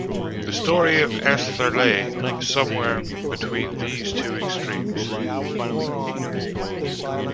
The story of Esther lay somewhere between these two extremes.